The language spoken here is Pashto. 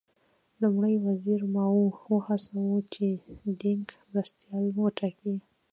لومړي وزیر ماوو وهڅاوه چې دینګ مرستیال وټاکي.